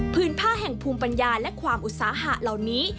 ผ้าแห่งภูมิปัญญาและความอุตสาหะเหล่านี้